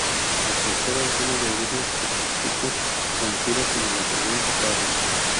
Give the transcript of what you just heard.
La tercera laguna de origen kárstico, conocida como la de Venta Parra.